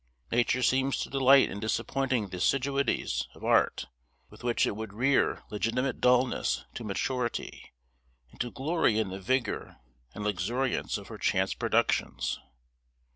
Nature seems to delight in disappointing the assiduities of art, with which it would rear legitimate dulness to maturity; and to glory in the vigor and luxuriance of her chance productions.